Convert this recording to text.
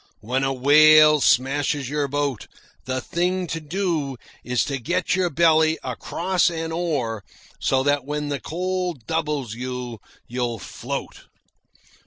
When a whale smashes your boat, the thing to do is to get your belly across an oar, so that when the cold doubles you you'll float."